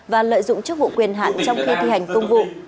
và lợi dụng chức vụ quyền hạn trong khi thi hành công vụ